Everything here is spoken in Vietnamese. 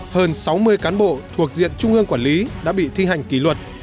hơn sáu mươi cán bộ thuộc diện trung ương quản lý đã bị thi hành kỷ luật